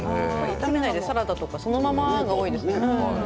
炒めないでサラダとかそのままが多いですね。